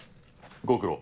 ご苦労。